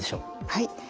はい。